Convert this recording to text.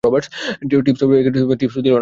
টিপসও দিলো না।